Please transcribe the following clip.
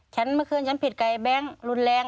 เมื่อคืนฉันผิดกับแบงค์รุนแรง